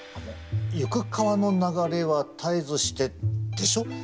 「ゆく河の流れは絶えずして」でしょ？